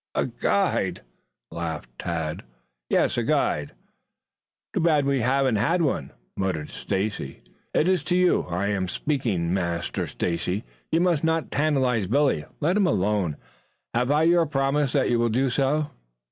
"A guide?" laughed Tad. "Yes, a guide." "Too bad we haven't one," muttered Stacy. "It is to you I am speaking, Master Stacy. You must not tantalize Billy. Let him alone. Have I your promise that you will do so?"